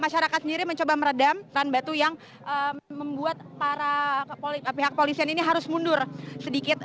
masyarakat sendiri mencoba meredam tan batu yang membuat para kepolisian ini harus mundur sedikit